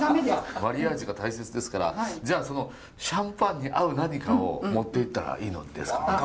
マリアージュが大切ですからじゃあそのシャンパンに合う何かを持っていったらいいのですか？